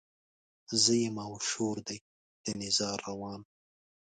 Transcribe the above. زه يمه او شور دی د نيزار روان